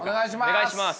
お願いします。